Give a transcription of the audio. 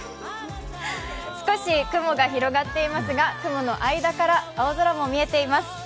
少し雲が広がっていますが、雲の間から青空も見えています